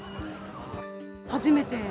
初めて。